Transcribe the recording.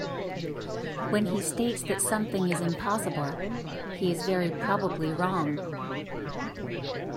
When he states that something is impossible, he is very probably wrong.